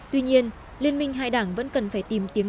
tuy nhiên liên minh hai đảng vẫn cần phải tìm tiếng